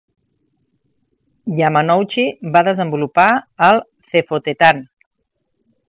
Yamanouchi va desenvolupar el Cefotetan.